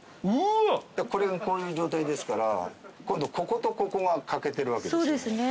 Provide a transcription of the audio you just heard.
こういう状態ですから今度こことここが欠けてるわけですよね。